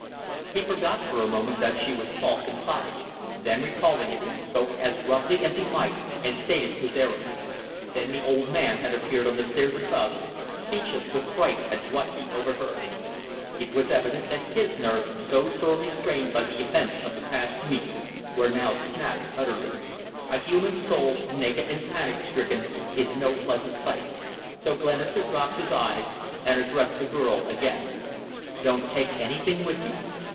He forgot for a moment that she was false and plotting, then, recalling it, spoke as roughly as he might and stated his errand. Then the old man had appeared on the stairs above, speechless with fright at what he overheard. It was evident that his nerves, so sorely strained by the events of the past week, were now snapped utterly. A human soul naked and panic stricken is no pleasant sight, so Glenister dropped his eyes and addressed the girl again: "Don't take anything with you.